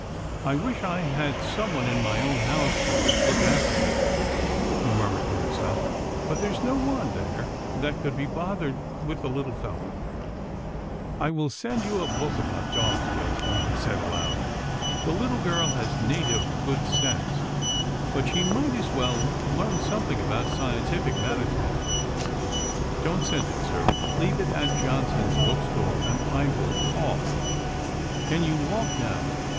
" I wish I had someone in my own house to look after him," he murmured to himself, " but there's no one there that would be bothered with the little fellow — I will send you a book about dogs, Dillson," he said aloud, " the little girl has native good sense, but she might as well learn something about scientific management." " Don't send it, sir. Leave it at Johnson's book store, and I will call." " Can you walk now